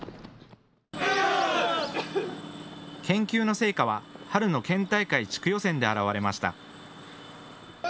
研究の成果は春の県大会地区予選で現れました。